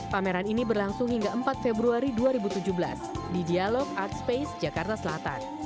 pameran ini berlangsung hingga empat februari dua ribu tujuh belas di dialog art space jakarta selatan